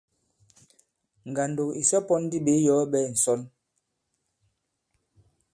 Ngàndò ìsɔ pɔ̄n ndi ɓě iyɔ̀ɔ ɓɛ̄ɛ ŋ̀sɔnl.